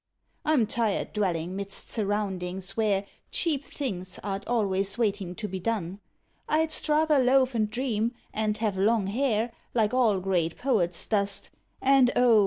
I m tired dwellin midst surroundin s where Cheap things art always waitin to be done: I dst rather loaf and dream and have long hair Like all great poets dost: and, oh!